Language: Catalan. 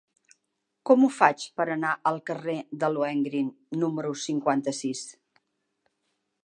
Com ho faig per anar al carrer de Lohengrin número cinquanta-sis?